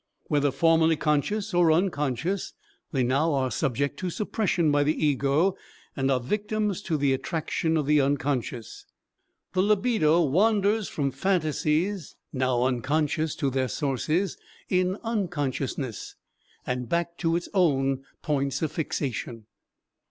Whether formerly conscious or unconscious, they now are subject to suppression by the ego and are victims to the attraction of the unconscious. The libido wanders from phantasies now unconscious to their sources in unconsciousness, and back to its own points of fixation.